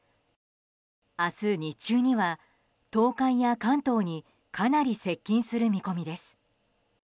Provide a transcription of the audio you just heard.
明日日中には東海や関東にかなり接近する見込みです。